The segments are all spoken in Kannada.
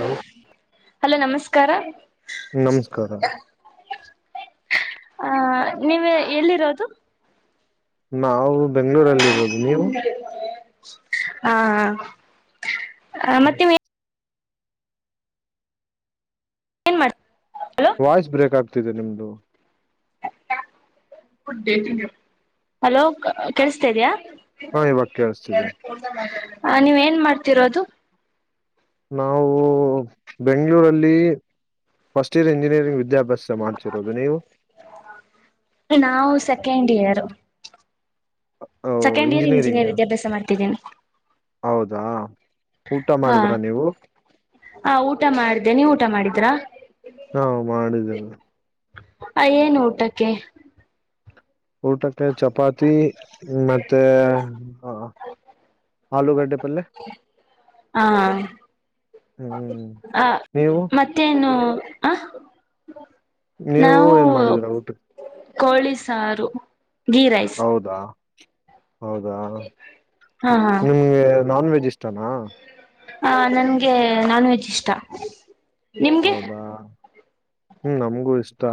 ಹಲೋ ಹಲೋ ನಮಸ್ಕಾರ ನಮಸ್ಕಾರ ಹ ನೀವ ಎಲ್ಲಿರೋದು ನಾವು ಬೆಂಗಳೂರಲ್ಲಿ ಇರೋದು ನೀವು ಹಾ ಹ ಹ ಮತ್ತೆ ಏನ್ ಮಾಡ್ ಹಲೋ ವಾಯ್ಸ್ ಬ್ರೇಕ್ ಆಗ್ತಿದೆ ನಿಮ್ದು ಹಲೋ ಕ ಕೇಳಸ್ತಾ ಇದಯಾ ಹಾ ಇವಾಗ ಕೇಳಿಸ್ತಿದೆ ಸ ಮಾಡ ಹ ನೀವ್ ಏನ್ ಮಾಡ್ತಿರೋದು ನಾವು ಬೆಂಗಳೂರಲ್ಲಿ ಫಸ್ಟ್ ಇಯರ್ ಇಂಜಿನಿಯರಿಂಗ್ ವಿದ್ಯಾಭ್ಯಾಸ ಮಾಡ್ತಿರೋದು ನೀವು ನಾವು ಸೆಕೆಂಡ್ ಇಯರ್ ಓ, ಸೆಕೆಂಡ್ ಇಯರ್ ಇಂಜಿನಿಯರಿಂಗ್ ಇಂಜಿನಿಯರ್ ವಿದ್ಯಾಭ್ಯಾಸ ಮಾಡ್ತಿದ್ದೀನಿ ಹೌದಾ ಊಟ ಹಾ ಮಾಡಿದ್ರ ನೀವು ಹ ಊಟ ಮಾಡ್ದೆ ನೀ ಊಟ ಮಾಡಿ ದ್ರ ಟ ಮಾಡಿದ್ದನೆ ಅಯ್ಯಏನ್ ಊಟಕ್ಕೆ ಊಟಕ್ಕೆ ಚಪಾತಿ ಮತ್ತೆ ಹ ಆಲೂ ಕಡೆ ಹಾ ಹ್ಮ್ ಆ ನೀವು ಮತ್ತೇನು ಹ ನೀವು ಏನ್ ಮಾಡಿದಿರ ಊಟ ಕೋಳಿಸಾರು ಹೌದಾ [unintelligible] ಹೌದಾ ಹಾ ನಿಮ್ಗೆ ನಾನ್ ವೆಜ್ ಇಷ್ಟಾನ ಹ ನನ್ಗೆ ನಾನ್ ವೆಜ್ ಇಷ್ಟ ನಿಮ್ಗೆ ಹೌದಾ ಹ್ಮ್ ನಮಗೂ ಇಷ್ಟ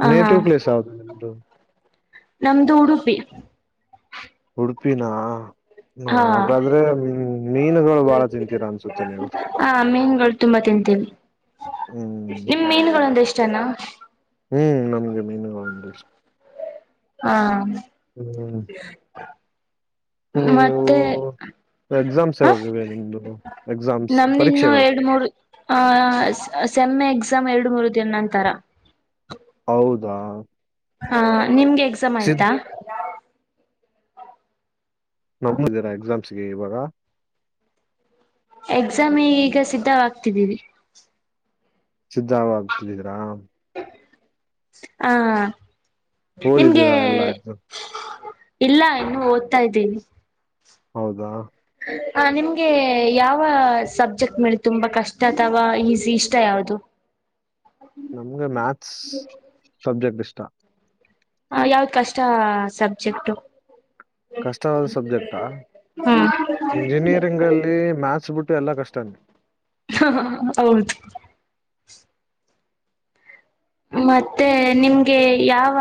ಹ ಹಾ ನೆಟಿವ್ ಪ್ಲಸ್ [unintelligible] ನಮ್ದು ಉಡುಪಿ ಉಪಿನ ಹಾ ಮೀನುಗಳು ಬಾಳ ತಿಂತೀರಾ ಅನ್ಸುತ್ತೆ ನೀವು ಹ [inaudible] ಮೀನುಗಳು ತುಂಬಾ ತಿಂತೀವಿ ಹ್ಮ್ ನಿಮ್ ಮೀನುಗಳು ಎ ಚನ ಹ್ಮ್ ನಮ್ಗೆ ಮೀನುಗಳು ಅಂದೆ ಇಷ್ಟ ಹಾ [inaudible] ಹ್ಮ್ ನೀವು ಮತ್ತೆ ಎಕ್ಸಾಮ್ಸ್ ಯಾವಾಗಿವೆ ನಿಮ್ದು ಎಕ್ಸಾಮ್ಸ್ ನಮ ಇನ್ನು ಪರೀಕ್ಷೆಗಳು ಎರ್ಮಮ್ಮ ಎಕ್ಸಾಮ್ ಎರಡು ಮೂರು ದಿನಾಂತರ ಹೌದಾ ಹಾ ನಿಮ್ಗೆ ಎಕ್ಸಾಮ್ ಸಿದ್ ಆಯ್ತಾ ನಮಿದೀರ ಎಕ್ಸಾಮ್ ಸಿ ಇವಾಗ ಎಕ್ಸಾಮ್ ಈಗ ಸಿದ್ಧವಾಗ್ತಿದ್ದೀರಿ ಸಿದ್ಧವಾಗ್ತಿದರಾ ಹಾ ಹೋದಿದ್ದೀರಾ ಎಲ್ಲ ಆಯ್ತು ಇಲ್ಲ ಇನ್ನು ಓದ್ತಾ ಇದ್ದೀನಿ ಹೌದಾ ಹ ನಿಮ್ಗೆ ಯಾವ ಸಬ್ಜೆಕ್ಟ್ ಮೇಲೆ ತುಂಬಾ ಕಷ್ಟ ಅಥವಾ ಈಸಿ ಇಷ್ಟ ಯಾವ್ದದು ನಮ್ಗೆ ಮ್ಯಾಥಸ್ ಸಬ್ಜೆಕ್ಟ್ ಇಷ್ಟಾ ಹ ಯಾವ್ದ್ ಕಷ್ಟ ಸಬ್ಜೆಕ್ಟ ಕಷ್ಟವಾದ ಸಬ್ಜೆಕ್ಟಾ ಹ್ಮ್ ಇಂಜಿನಿಯರಿಂಗ್ಲ್ಲಿ ಮ್ಯಾಥಸ್ ಬಿಟ್ಟು ಎಲ್ಲಾ ಕಷ್ಟ ಹೌದು [unintelligible] [inaudible] ಮತ್ತೆ ನಿಮ್ಗೆ ಯಾವ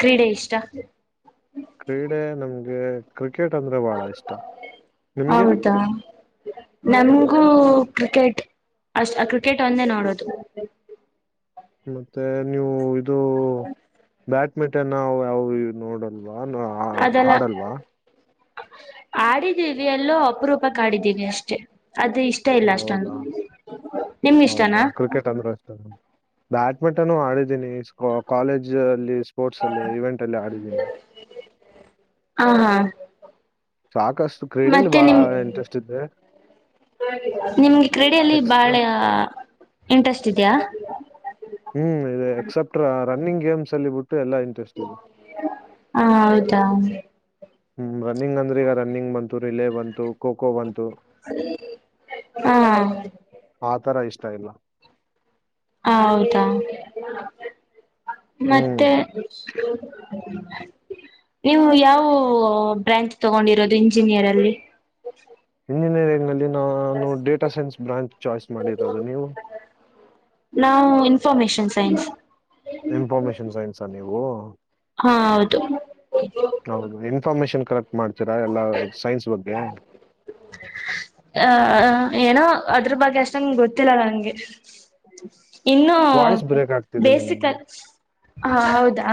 ಕ್ರೀಡೆ ಇಷ್ಟ ಕ್ರೀಡೆ ನಮ್ಗೆ ಕ್ರಿಕ್ [inaudible] ನಿಮ್ಗೆ ಹೌದಾ ನಮ್ಗೂ ಕ್ರಿಕೆಟ್ ಅಷ್ಟ ಕ್ರಿಕೆಟ್ ಒಂದೇ ನೋಡೋದು ಮತ್ತೆ ನೀವು ಅದು ಮ [unintelligible] ಮಿಟ್ಟ ನಾವು ಯಾವವು ನೋಡಲ್ಲ ನ ಆಡಲ್ವಾ ಆಡಿದ್ದೀವಿ ಎಲ್ಲೋ ಅಪರೂಪಕ್ ಆಡಿದ್ದೀವಿ ಅಷ್ಟೆ ಅದು ಇಷ್ಟ ಇಲ್ಲ ಅಷ್ಟೊಂದು ಹೌದಾ ನಿಮ್ಗೆ ಇಷ್ಟನಾ ಬ್ಯಾಡ್ಮಿಂಟನು ಆಡಿದೀನಿ ಕಾಲೇಜ್ ಅಲ್ಲಿ ಸ್ಪೋರ್ಟ್ಸ್ ಅಲ್ಲಿ ಇವೆಂಟ್ ಅಲ್ಲಿ ಆಡಿದ್ದೀನಿ ಹ ಹಾ ಸಾಕಷ್ಟು ಕ್ರೀಡೆಯಲ್ಲಿ ಮತ್ತೆ ಬಹಳ ನಿಮ ಇಂಟ್ರೆಸ್ಟ್ ಇದೆ ನಿಮ್ಗೆ ಕ್ರೀಡೆಯಲ್ಲಿ ಎಕ್ಸ್ ಬಾಳ ಇಂಟ್ರೆಸ್ಟ್ ಇದೆಯಾ ಹ್ಮ್ ಇ ಎಕ್ಸೆಪ್ಟ್ರಾ ರನ್ನಿಂಗ ಗೇಮ್ಸ್ ಅಲ್ಲಿ ಬಿಟ್ಟು ಎಲ್ಲ ಇಂಟ್ರೆಸ್ಟ್ ಇದೆ ಹಾ ಹೌದಾ ಹ್ಮ ರನ್ನಿಂಗ್ಂದ್ರ ಈಗ ರನ್ನಿಂಗ್ ಬಂತು ರಿಲೆೇ ಬಂತು ಖೋಖೋ ಬಂತು ಹಾ ಲ್ಲ ಹೌದಾ ಹ್ಮ್ ಮತ್ತೆ ನೀವು ಯಾವ ಬ್ರಾಂಚ್ ತಗೊಂಡಿರೋದು ಇಂಜಿನಿಯರ್ ಅಲ್ಲಿ ಇಂಜಿನಿಯರಿಂಗ್ ಅಲ್ಲಿ ನಾನು ಡೇಟಾ ಸೈನ್ಸ್ ಬ್ರಾಂಚ್ ಚಾಯ್ಸ್ ಮಾಡಿರೋದು ನೀವು ನಾವು ಇನ್ಫಾರ್ಮೇಶನ್ ಸೈನ್ಸ್ ಇನ್ಫಾರ್ಮೇಶನ್ ಸೈನ್ಸ ನೀವು ಹಾ ಹೌದು ಕರೆಕ್ಟ್ ಮಾಡ ರ ಎಲ್ಲ ಸೈನ್ಸ್ ಬಗ್ಗೆ ಆ ಏನೋ ಅದ್ರ ಬಗ್ಗೆ ಅಷ್ಟಂಗ ಗೊತ್ತಿಲ್ಲ ನಂಗೆ ಇನ್ನುೂ ವಾಯ್ಸ್ ಬ್ರೇಕ್ ಆಗ್ತಿದೆ ನಿಮ್ ಬೇಸಿಕ್ ಹಾ ಹೌದಾ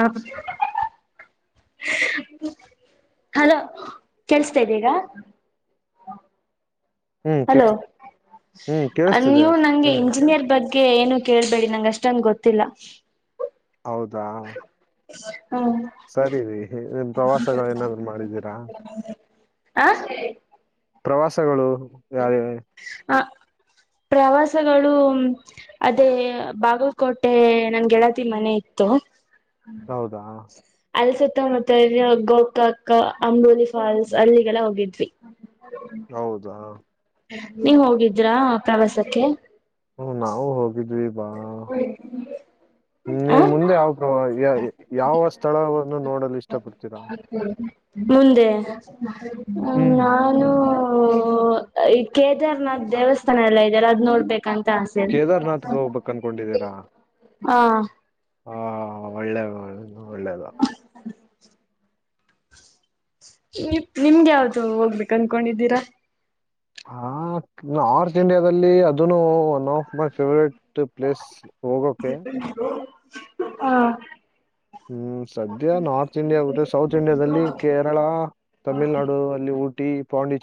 ಹಲೋ ಕೇಳಿಸ್ತಾ ಇದ್ದೀಗ ಹ್ಮ್ ಹಲೋ ಕೇಳ್ಸ್ ಹ್ಮ್ ಕೇಳಿಸ್ತಿದೆ ನೀವು ನಂಗೆ ಹೇಳಿ ಇಂಜಿನಿಯರ್ ಬಗ್ಗೆ ಅ ಏನು ಕೇಳ್ಬೇಡಿ ನಂಗ ಅಷ್ಟನ್ ಗೊತ್ತಿಲ್ಲ ಹೌದಾ [unintelligible] ಸರಿ ರ ನಿನ್ ಪ್ರವಾಸಗಳು ಏನಾದ್ರು ಮಾಡಿದ್ದೀರಾ ಆಹ್ ಪ್ರವಾಸಗಳು ಯಾರೇ ಆ ಪ್ರವಾಸ ಗಳು ಅದೇ ಬಾಗಲಕೋಟೆ ನನ್ ಗೆಳತಿ ಮನೆ ಇತ್ತು ಹೌದಾ ಅಲ್ಲಿ ಸುತ್ತಮುತ್ತ ಗೋಕಾಕ ಅಂಬೋಲಿ ಫಾಲ್ಸ್ ಅಲ್ಲಿಗೆಲ್ಲ ಹೋಗಿದ್ವಿ ಹೌದ ನೀವ್ ಹೋಗಿದ್ರಾ ಪ್ರವಾಸಕ್ಕೆ ಹ್ಮ ನಾವು ಹೋಗಿದ್ವಿ ಬಾ ಹ್ಮ ಆ ನೀವು ಮುಂದೆ ಯಾವ ಪ್ರ ಯಾವ ಸ್ಥಳವನ್ನು ನೋಡಲು ಇಷ್ಟಪಡ್ತೀರಾ [unintelligible] ಮುಂದೆ ಹ್ಮ ಹ್ಮ್ ನಾನು ಹಓ ಈ ಕೇದಾರ್ನಾಥ್ ದೇವಸ್ಥಾನ ಎಲ್ಲ ಇದೆಯಲ್ಲ ಅದ್ ನೋಡ್ಬೇಕ ಕಂತ ಆಸ ಕೇದಾರ್ನಾಥ್ಗೆ ಹೋಗ್ಬೇಕು ಹಾ ಹಾ ಒಳ್ಳೆ ಒಳ್ಳೆ ದ ಹ್ಮ ಒಳ್ಳೆದು [inaudible] ಈಪ್ ನಿಮ್ಗೆ ಯಾವ್ದ ಹೋಗ್ಬೇಕು ಅನಕೊಂಡಿದ್ದೀರಾ ಹ ನಾರ್ತ್ ಇಂಡಿಯಾದಲ್ಲಿ ಅದನು one of my favourite place ಹೋಗೋಕೆ ಹಾ ಹ್ಮ್ ಸದ್ಯ ನಾರ್ತ್ ಇಂಡಿಯತ್ತೆ ಸೌತ್ ಇಂಡಿಯಾದಲ್ಲಿ ಕೇರಳ ತಮಿಳ್ನಾಡು ಅಲ್ಲಿ ಊಟಿ ಪಾಂಡಿ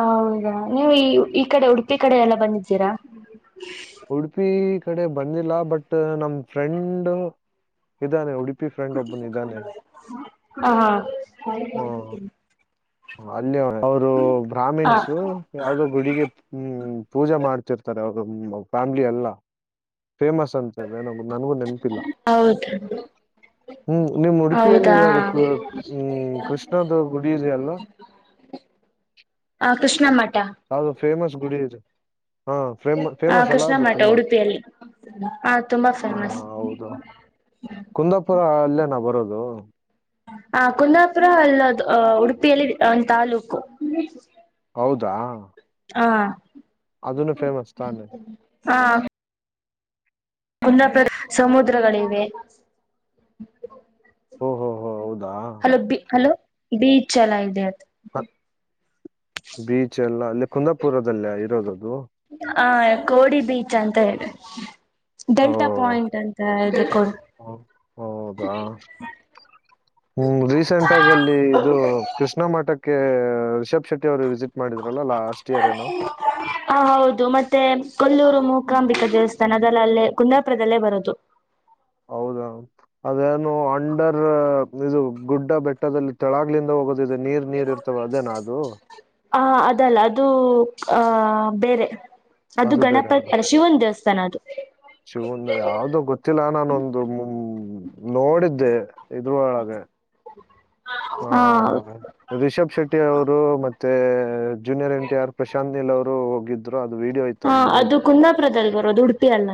ಹೌದಾ ನೀವು ಈ ಈ ಕಡೆ ಉಡು ಪಿ ಕಡೆ ಎಲ್ಲ ಬಂದಿದ್ದೀರಾ ಉಡುಪಿ ಕಡೆ ಬಂದಿಲ್ಲ ಬಟ್ ನಮ ಫ್ರೆಂಡ್ ಇದ್ದಾನೆ ಉಡುಪಿ ಫ್ರೆಂಡ್ ಒಬ್ಬನ್ ಇದಾನೆ ಹಾ ಹಾ [inaudible] ಹ ಅಲ್ಲಿ ಅವ ಅವರು ಹ ಬ್ರಾಮಿನ್ಸು ಯಾವದೋ ಗುಡಿಗೆ ಹ್ಮ ಪೂಜೆ ಮಾಡ್ತಿರ್ತಾರೆ ಅವ ಫ್ಯಾಮ್ಲಿ ಎಲ್ಲ ಫೇಮಸ್ ಅಂತನ ನನ್ಗೂ ನೆನಪಿಲ್ಲ ಹೌದು ಹ್ಮ್ ನಿಮ್ ಉಡುಪಿಯಲ್ಲಿ ಹೌದಾ ಅದ ಹ್ಮ್ ಕೃಷ್ಣದ ಗುಡಿ ಇದೆ ಅಲ್ವಾ ಆ ಕೃಷ್ಣ ಮಾಡ ಠ ಹೌದು ಫೇಮಸ್ ಗುಡಿ ಇದು ಹ ಕೃಷ್ಣ ಮಠ ತುಂಬಾ ಉಡುಪಿಯಲ್ಲಿ ಹ ತುಂಬಾ ಹಾ ಫೇಮಸ್ ಇಲ್ಲ ನ ಬರೋದು ಹ ಕುಂದಾಪುರ ಅಲ್ಲದು ಉಡುಪಿಯಲ್ಲಿ ಒಂದು ತಾಲೂಕು ಹೌದಾ ಹಾ ಅದನ ಫೇಮಸ್ ತಾನ ಹಾ. ಉನ್ನತಾ ಸಮುದ್ರಗಳಿವೆ ಓಹೋ ಹೋ ಹೌದಾ ಹಲೋ ಬಿ ಹಲೋ. ಬೀಚ್ ಎಲ್ಲ ಇದೆ ಅ. [inaudible] ಬೀಚ್ ಎಲ್ಲಾ. ಹ ಕೋಡಿ ಬೀಚ್ ಅಂತ ಹೇಳಿ [inaudible] ಓ ಹೌದಾ ಹ್ಮ ರೀಸೆಂಟ್ ಆಗ ಅಲ್ಲಿ ಇದು ಕೃಷ್ಣ ಮಠಕ್ಕೆ. ರಿಷಬ್. ಶೆಟ್ಟಿ ಅವರು ವಿಸಿಟ್ ಮಾಡಿದ್ರಲ್ಲ ಲಾಸ್ಟ್ ಇಯರ್ ಏನೋ ಹ ಹೌದು ಮತ್ತೆ ಕೊಲ್ಲೂರು ಮೂಕಾಂಬಿಕಾ ದೇವಸ್ಥಾನ ಅದೆಲ್ಲ ಅಲ್ಲೇ ಕುಂದಾಪುರದಲ್ಲೇ ಬರೋದು. ಹೌದಾ ಅದೇನು ಅಂಡರ್ ಇದು ಗುಡ್ಡ ಬೆಟ್ಟದಲ್ಲಿ ತೆಳಾಗ್ಲಿಂದ ಹೋಗುತ್ತ. ಹ ಅದಲ್ಲ ಅದು. ಆಹ ಬೇರೆ. ಅದು ಗಣಪತಿ ಶಿವನ ದೇವಸ್ಥಾನ ಅದು. ಶಿವನ್ ಯಾವುದೋ ಗೊತ್ತಿಲ್ಲ ನಾನೊಂದು ನೋಡಿದ್ದೆ. ಇದ್ರ ಒಳಗೆ ಆ ಹ ರಿಷಬ್ ಶೆಟ್ಟಿ ಅವರು ಮತ್ತೆ. Junior N T R Prashanth Neel ಅವರು ಹೋಗಿದ್ರು. ಅದು ವಿಡಿಯೋ ಇತ್ತು ಹಾ ಅದು ನೋಡಿದ್ದೆ ಕುಂದಾಪುರದಲ್ಲಿ ಬರುದು ಉಡುಪಿ ಅಲ್ಲ.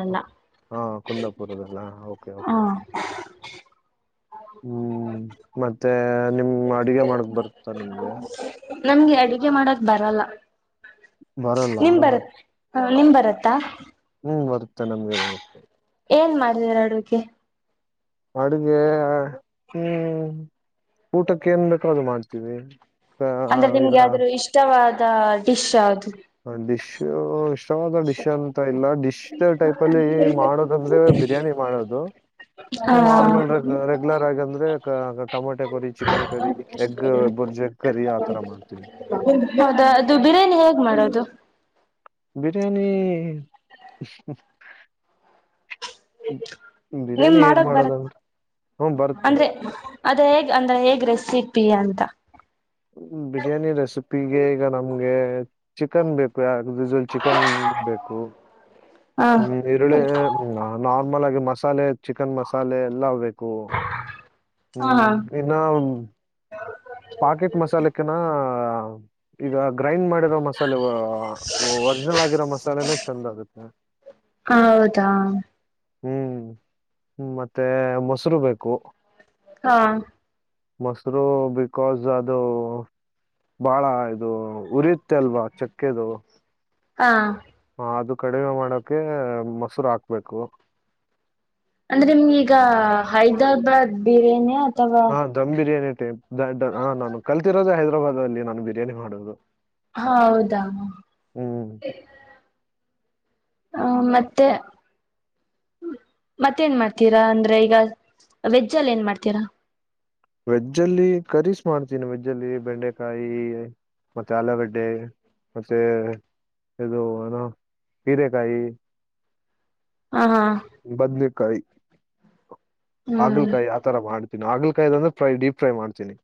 ಹಾ ಕುಂದಾಪುರದಲ್ಲ ಓಕೆ ಹಾ ಓಕೆ. ಹ್ಮ್ ಮತ್ತೆ ನಿಮ್ ಅಡಿಗೆ ಮಾಡಕ್ ಬರ್ತ್ತಾ ನಿಮ್ಗೆ. [unintelligible] ನಮ್ಗೆ. ಅಡುಗೆ ಮಾಡೋಕೆ ಬರಲ್ಲ. ಬರಲ್ಲ. ನಿಮ್ ಬರತ್ ಹ ನಿಮ್ ಬರತ್ತಾ. ಹ್ಮ್ ಬರತ್ತೆ ನಮಗೆ ಬರುತ್ತೆ. ಏನ್ ಮಾಡ್ತೀರ ಅಡುಗೆ. ಅಡುಗೆ ಹ್ಮ್ ಊಟಕ್ಕೆೇ ಏನ್ಬೇಕು ಅದು ಮಾಡ್ತೀವಿ. ಆ, ಅಂದ್ರೆ ಈಗ ನಿಮ್ಗೆ ಯಾವು ಆದ್ರು ಇಷ್ಟವಾದ. ಡಿಶ್ ಯಾವುದ. ಹ ಡಿಶ್. [inaudible] ಇಷ್ಟವಾದ ಡಿಶ್ ಅಂತ ಇಲ್ಲ ಡಿಶ್ ಟೈಪ್ ಅಲ್ಲಿ ಮಾಡೋದಂದ್ರೆ ಬಿರಿಯಾನಿ ಮಾಡೋದು ಹ ನಾರ್ಮಲ್ ರೆಗ್ಯುಲರ್ ಆಗಿ ಅಂದ್ರೆ- [unintelligible] ಕರಿ chicken curry egg bhurji curry ಆ ತರ ಮಾಡ್ತೀವಿ ಹೌದಾ ಅದು ಬಿರಿಯಾನಿ ಹೇಗ್ ಮಾಡದು [unintelligible] ಬಿರಿಯಾನಿ ನಿಮ್ ಬಿರಿಯಾನಿ ಹೇಗ್ ಮಾಡಕ್ ಬರತ್ ಮಾಡೊದಂದ್ರೆ ಹ್ಮ ಬರುತ್ತೆ ಅಂದ್ರೆ ಅದ ಹೇಗ್ ಅಂದ್ರೆ ಹೇಗ್ ರೆಸಿಪಿ ಅಂತ ಬಿರಿಯಾನಿ ರೆಸಿಪಿಗೆ ಈಗ ನಮ್ಗೆ ಚಿಕನ್ ಬೇಕು ಚಿಕನ್ ಬೇಕು ಹ ಹಾ ಈರುಳ್ಳಿ ನಾರ್ಮ ಮಲಾಗಿ ಮಸಾಲೆ ಚಿಕನ್ ಮಸಾಲೆ ಎಲ್ಲ ಬೇಕು ಹ ಹ್ಮ್ ಇನ್ನ ಪಾಕೆಟ್ ಮಸಾಲೆಕಿನ್ನ ಈಗ ಗ್ರೈಂಡ್ ಮಾಡಿರೋ ಮಸಾಲೆ ಒರ್ಜಿನಲ್ ಆಗಿರೋ ಮಸಾಲೆನ ಚೆಂದ ಆಗುತ್ತೆ ಹೌದಾ ಹ್ಮ್ ಹ್ಮ ಮತ್ತೆ ಮೊಸರು ಬೇಕು ಹಾ ಮೊಸರು ಬಿ ಕಾಸ್ ಅದು ಬಹಳ ಇದು ಉರಿಯತ್ತೆ ಅಲ್ವಾ ಚಕ್ಕೆದು ಹಾ ಆ, ಅದು ಕಡಿಮೆ ಮಾಡೋಕೆ ಮೊಸರು ಹಾಕ್ಬೇಕು ಅಂದ್ರೆ ನಿಮ್ಗೆ ಈಗ ಹೈದ್ರಾಬಾದ್ ಬಿರಿಯಾನಿ ಅ ಹಾ ದಮ್ ಬಿರಿಯಾನಿ ದಡ್ಡ ಹಾ ನಾನು ಕಲ್ತಿರೋದೇ ಹೈದ್ರಾಬಾದ್ ಅಲ್ಲಿ ನಾನು ಬಿರಿಯಾನಿ ಮಾಡೋದು ಹ ಹೌದಾ ಹ್ಮ್ ಹ ಮತ್ತೆ ಮತ್ತೇನ್ ಮಾಡ್ತೀರಾ ಅಂದ್ರೆ ಈಗ ವೆಜ್ಜಲ್ಲಿ ಏನ್ ಮಾಡ್ತೀರಾ ವೆಜ್ ಅಲ್ಲಿ ಕರೀಸ್ ಮಾಡ್ತೀನಿ ವೆಜ್ ಅಲ್ಲಿ ಬೆಂಡೆಕಾಯಿ ಮತ್ತೆ ಆಲೂಗಡ್ಡೆ ಮತ್ತೆ ಇದು ಏನು ಹೀರೆಕಾಯಿ ಹಾ ಹಾ ಬದನೇಕಾಯಿ ಹ್ಮ್ ಹಾಗಲಕಾಯಿ ಆತರ ಮಾಡ ಹಾಗಲಕಾಯಿ ಅಂದ್ರೆ ಫ್ರೈ ಡೀಪ್ ಫ್ರೈ ಮಾಡ್ತೀನಿ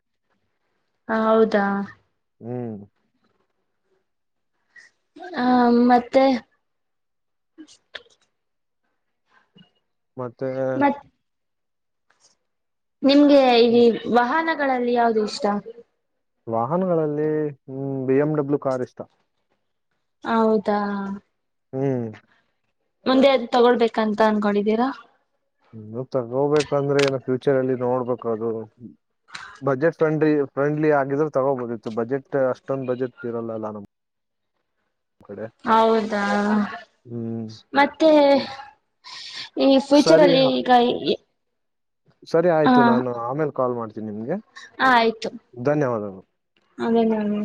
ಹ ಹೌದಾ ಹ್ಮ್ [inaudible] ಮತ್ತೆ ಮತ್ ನಿಮ್ಗೆ ಈ ವಾಹನ ಗಳಲ್ಲಿ ಯಾವ್ದು ಇಷ್ಟ ವಾಹನಗಳಲ್ಲಿ ಹ್ಮ ಬಿ ಎಮ್ ಡಬ್ಲ್ಯೂ ಕಾರ್ ಇಷ್ಟ ಹೌದಾ ಹ್ಮ್ ಮುಂದೆ ಅದ್ ತಗೊಳ್ಬೇಕಂತ ಅನ್ಕೊಂಡಿದೀರಾ ನೀ ತಗೋಬೇಕಂದ್ರೆ ಏನ ಫ್ಯೂಚರ್ ಅಲ್ಲಿ ನೋಡ್ಬೇಕ ಅದು ಬಜೆಟ್ ಫ್ರೆಂಡ್ಲಿ ಫ್ರೆಂಡ್ಲಿ ಆಗಿದ್ರೆ ತಗೋಬೋದಿತ್ತು ಬಜೆಟ್ ಅಷ್ಟೊಂದು ಬಜೆಟ್ ಇರಲ್ಲಲ್ಲ ನಮ್ ಕಡೆ ಹೌದಾ ಹ್ಮ್ ಮತ್ತೆ ಈ ಫ್ಯೂಚರ್ ಸರಿ ಅಲ್ಲಿ ಈಗ ಸರಿ ಹ ಆಯ್ತು ನಾನನ್ ಆಮೇಲೆ ಕಾಲ್ ಮಾಡ್ತನಿ ನಿಮ್ಗೆ ಧನ್ಯವಾದಗಳು ಅದೇದ ಅದೇ